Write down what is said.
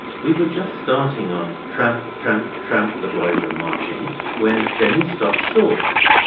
We were just starting on 'Tramp, tramp, tramp, the boys are marching', when Denny stopped short.